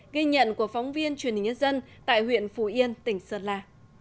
ghi nhận của phóng viên truyền hình nhân dân tại huyện phù yên tỉnh sơn la